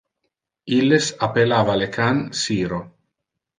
Illes appellava le can Siro.